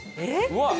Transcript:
うわっ！